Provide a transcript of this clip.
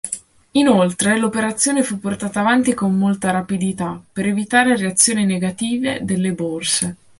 Inoltre, l'operazione fu portata avanti con molta rapidità, per evitare reazioni negative delle borse.